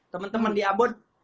teman teman di ambon